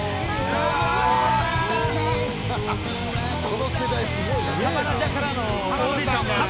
この世代すごいな。